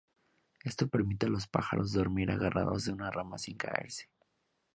Esto permite a los pájaros dormir agarrados a una rama sin caerse.